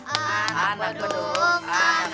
anak beduk anak beduk